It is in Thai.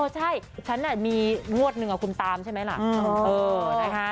ใช่ฉันมีงวดหนึ่งคุณตามใช่ไหมล่ะ